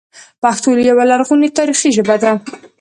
پښتو یوه لرغونې تاریخي ژبه ده